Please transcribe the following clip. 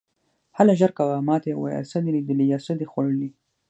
هله ژر کوه، ما ته یې ووایه، څه دې لیدلي یا څه دې خوړلي.